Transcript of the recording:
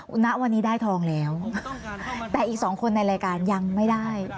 คุณนะวันนี้ได้ทองแล้วแต่อีกสองคนในรายการยังไม่ได้